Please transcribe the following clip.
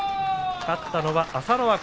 勝ったのは朝乃若。